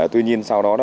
tuy nhiên sau đó